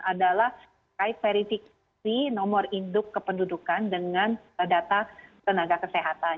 adalah kait verifikasi nomor induk kependudukan dengan data tenaga kesehatan